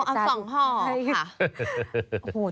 โอ้เอาสองห่อค่ะ